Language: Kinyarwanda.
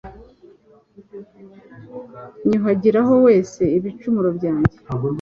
Nyuhagiraho wese ibicumuro byanjye